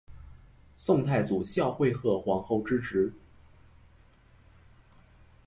宋太祖孝惠贺皇后之侄。